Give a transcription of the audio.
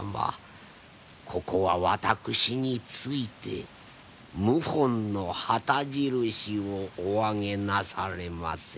ここは私について謀反の旗印をおあげなされませ。